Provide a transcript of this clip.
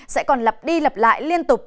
sẽ còn lập đi lập lại liên tục